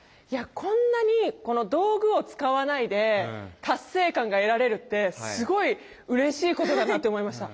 こんなに道具を使わないで達成感が得られるってすごいうれしいことだなって思いました。